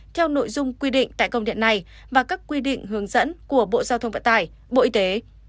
theo nội dung quy định tại công điện này và các quy định hướng dẫn của bộ giao thông vận tải bộ y tế